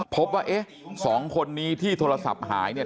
พบว่าเอ๊ะสองคนนี้ที่โทรศัพท์หายเนี่ย